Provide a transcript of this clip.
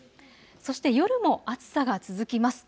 そして夜も暑さが続きます。